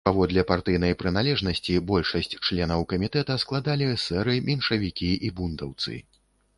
Паводле партыйнай прыналежнасці большасць членаў камітэта складалі эсэры, меншавікі і бундаўцы.